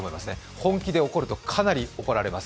本気で怒るとかなり怒られます。